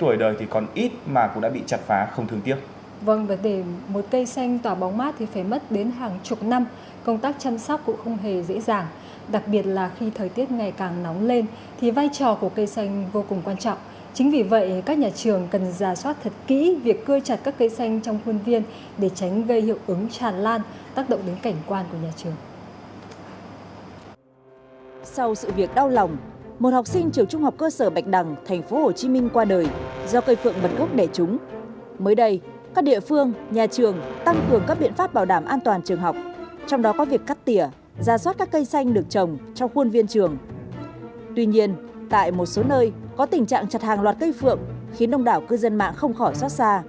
tuy nhiên tại một số nơi có tình trạng chặt hàng loạt cây phượng khiến đông đảo cư dân mạng không khỏi xót xa